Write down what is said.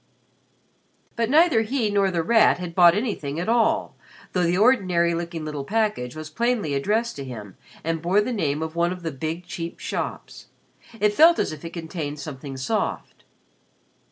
But neither he nor The Rat had bought anything at all, though the ordinary looking little package was plainly addressed to him and bore the name of one of the big cheap shops. It felt as if it contained something soft.